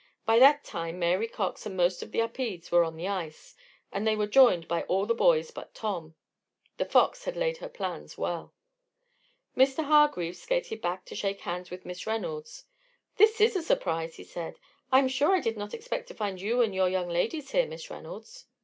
By that time Mary Cox and most of the Upedes were on the ice and they were joined by all the boys but Tom. The Fox had laid her plans well. Mr. Hargreaves skated back to shake hands with Miss Reynolds. "This is a surprise," he said. "I am sure I did not expect to find you and your young ladies here, Miss Reynolds."